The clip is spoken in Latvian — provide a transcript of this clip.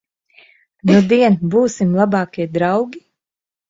Nudien būsim labākie draugi?